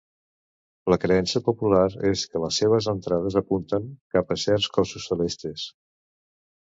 La creença popular és que les seves entrades apunten cap a certs cossos celestes.